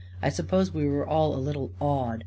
I sup pose we were all a little awed.